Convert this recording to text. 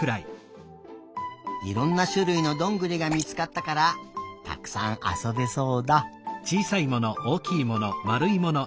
いろんなしゅるいのどんぐりがみつかったからたくさんあそべそうだ。